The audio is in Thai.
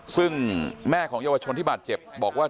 ซึ่งแม่ของเยาวชนที่บาดเจ็บบอกว่า